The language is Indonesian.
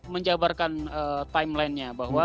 menjabarkan timelinenya bahwa